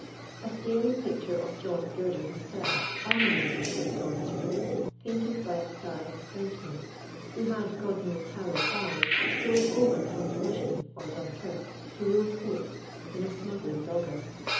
A staring picture of John [Gibbie] Girder himself ornamented this dormitory, painted by a starving Frenchman, who had, God knows how or why, strolled over from Flushing or Dunkirk to Wolf's Hope in a smuggling dogger.